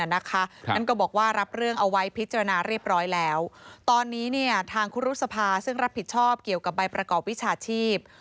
นั่นก็บอกว่ารับเรื่องเอาไว้พิจารณาเรียบร้อยแล้วตอนนี้ทางครูรุษภาซึ่งรับผิดชอบเกี่ยวกับใบประกอบวิชาชีพ